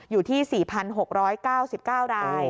อยู่ที่๔๖๙๙ราย